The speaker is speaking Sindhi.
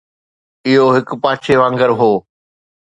اهو هڪ پاڇي وانگر هو